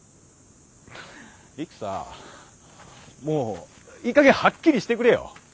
陸さもういいかげんはっきりしてくれよ。